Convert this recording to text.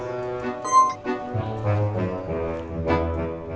jalan jalan ke amin